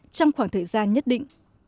trong khoảng thời gian nhất định